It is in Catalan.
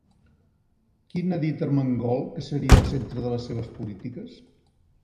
Quin ha dit Armengol que seria el centre de les seves polítiques?